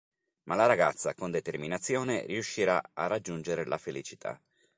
Ma la ragazza con determinazione riuscirà a raggiungere la felicità.